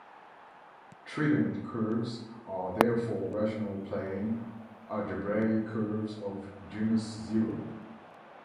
Trident curves are therefore rational plane algebraic curves of genus zero.